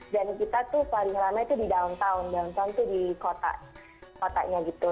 dan kita tuh paling ramai tuh di downtown downtown tuh di kotanya gitu